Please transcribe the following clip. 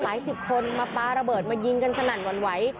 สิบคนมาปลาระเบิดมายิงกันสนั่นหวั่นไหว